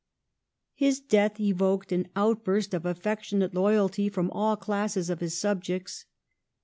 His death evoked an outburst of affectionate loyalty from all classes of his subjects.